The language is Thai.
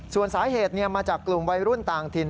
ส่วนสาเหตุมาจากกลุ่มวัยรุ่นต่างถิ่น